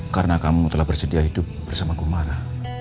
karena kamu telah bersedia hidup bersama bu mara